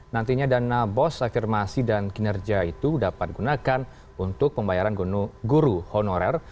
nantinya dana bos afirmasi dan kinerja itu dapat digunakan untuk pembayaran guru honorer